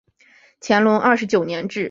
乾隆二十九年置。